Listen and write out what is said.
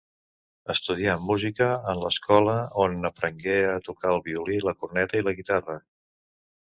Estudià música en l'escola, on aprengué a tocar el violí, la corneta i la guitarra.